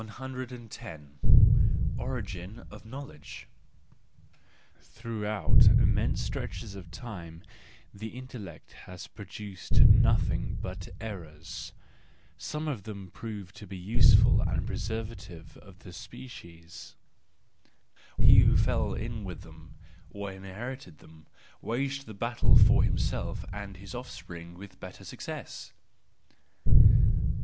no. Origin of Knowledge .—Throughout immense stretches of time the intellect has produced nothing but errors; some of them proved to be useful and preservative of the species : he who fell in with them, or inherited them, waged the battle for him¬ self and his offspring with better success.